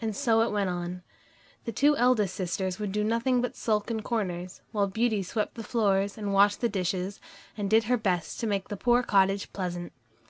And so it went on. The two eldest sisters would do nothing but sulk in corners, while Beauty swept the floors and washed the dishes, and did her best to make the poor cottage pleasant.